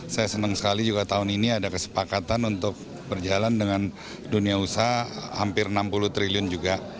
saya senang sekali juga tahun ini ada kesepakatan untuk berjalan dengan dunia usaha hampir enam puluh triliun juga